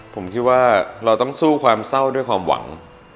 ผมคิดว่าเราต้องสู้ความเศร้าด้วยความหวัง